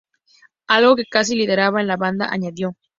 Algo que casi lideraba la banda", añadió.